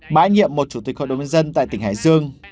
bãi nhiệm một chủ tịch hội đồng nhân dân tại tỉnh hải dương